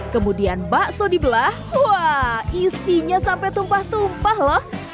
kemudian bakso dibelah wah isinya sampai tumpah tumpah loh